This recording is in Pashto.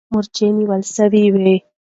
مرچلونه نیول سوي وو.